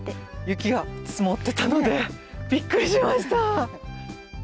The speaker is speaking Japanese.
雪が積もってたので、びっくりしました。